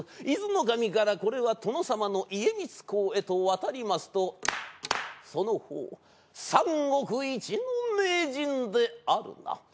伊豆守からこれは殿様の家光公へと渡りますとそのほう三国一の名人であるな。